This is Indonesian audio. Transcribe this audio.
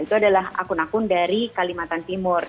itu adalah akun akun dari kalimantan timur